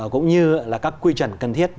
cũng như là các quy trần cần thiết